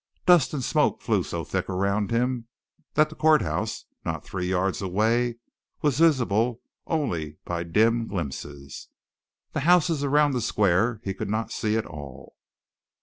Dust and smoke flew so thick around him that the courthouse not three rods away, was visible only by dim glimpses; the houses around the square he could not see at all.